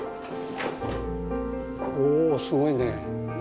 おすごいね。